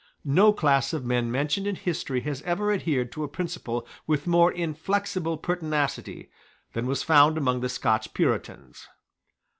No class of men mentioned in history has ever adhered to a principle with more inflexible pertinacity than was found among the Scotch Puritans.